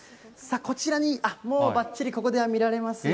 こちらに、もうばっちり、ここでは見られますよ。